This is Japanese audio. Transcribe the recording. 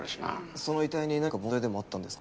その遺体に何か問題でもあったんですか？